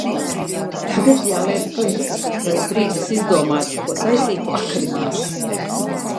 Tagad jāliek punkts, lai ir brīdis izdomāt, ko taisīt vakariņās.